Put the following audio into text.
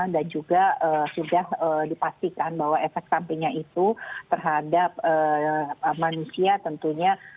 juga sudah dipastikan bahwa efek sampingnya itu terhadap manusia tentunya